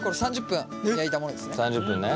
３０分ね。